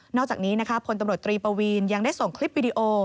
อกจากนี้นะคะพลตำรวจตรีปวีนยังได้ส่งคลิปวิดีโอ